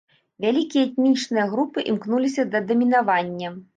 Вялікія этнічныя групы імкнуліся да дамінавання.